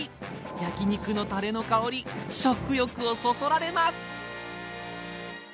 焼き肉のたれの香り食欲をそそられます！